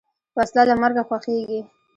وسله له مرګه خوښیږي